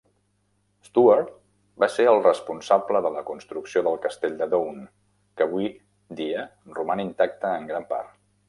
Stewart va ser el responsable de la construcció del castell de Doune, que avui dia roman intacte en gran part.